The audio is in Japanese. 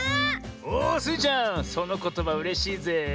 おスイちゃんそのことばうれしいぜえ。